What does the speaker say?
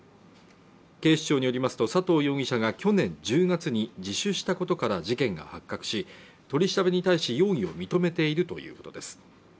警視庁によりますと佐藤容疑者が去年１０月に自首したことから事件が発覚し取り調べに対し容疑を認めているということです。